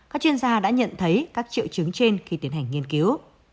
các chuyên gia đã nhận thấy các triệu chứng trên khi tiến hành nghiên cứu